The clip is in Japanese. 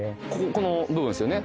この部分ですよね？